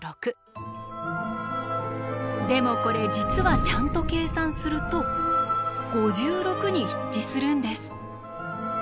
でもこれ実はちゃんと計算すると５６に一致するんです。